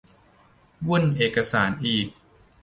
วุ่นเอกสารอีก